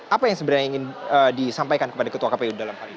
apa yang sebenarnya ingin disampaikan kepada ketua kpu dalam hal ini